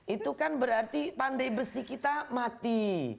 itu kan berarti pandai besi kita mati